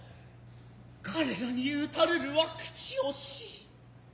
彼等に討たるるは口惜い。